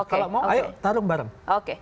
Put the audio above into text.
kalau mau ayo tarung bareng